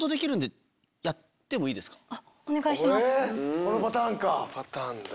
このパターンか。